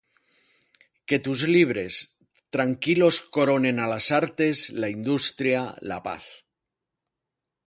Que tus libres, tranquilos coronen a las artes, la industria, la paz